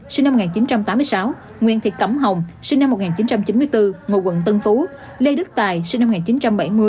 sinh năm một nghìn chín trăm tám mươi sáu nguyễn thị cẩm hồng sinh năm một nghìn chín trăm chín mươi bốn ngụ quận tân phú lê đức tài sinh năm một nghìn chín trăm bảy mươi